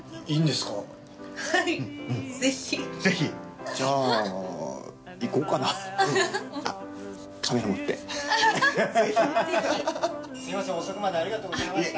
すみません遅くまでありがとうございました。